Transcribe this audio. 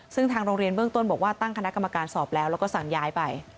ซึ่งทางโรงเรียนเบื้องต้นบอกว่าตั้งคณะกรรมการสอบแล้วแล้วก็สั่งย้ายไป